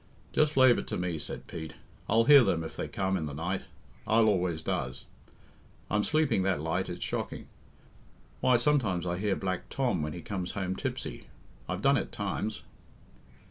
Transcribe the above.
"Just lave it to me," said Pete; "I'll hear them if they come in the night. I'll always does. I'm sleeping that light it's shocking. Why, sometimes I hear Black Tom when he comes home tipsy. I've done it times."